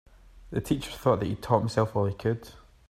The teacher thought that he'd taught himself all he could.